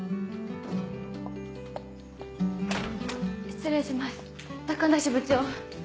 失礼します高梨部長。